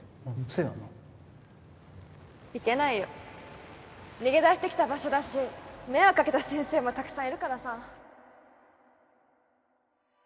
そやな行けないよ逃げ出してきた場所だし迷惑かけた先生もたくさんいるからさ